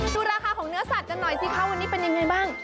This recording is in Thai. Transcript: ดูราคาของเนื้อสัตว์กันหน่อยสิคะวันนี้เป็นยังไงบ้าง